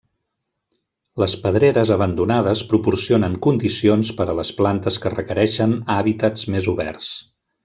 Les pedreres abandonades proporcionen condicions per a les plantes que requereixen hàbitats més oberts.